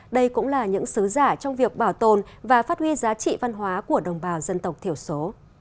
đây cũng là những sứ giả trong việc bảo tồn và phát huy giá trị văn hóa của đồng bào dân tộc thiểu số